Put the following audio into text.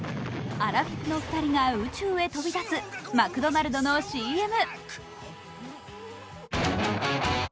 アラフィフの２人が宇宙へ飛び立つマクドナルドのＣＭ。